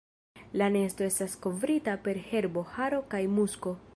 La nesto estas kovrita per herbo, haro kaj musko.